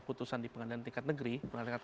putusan di pengadilan tingkat negeri pengadilan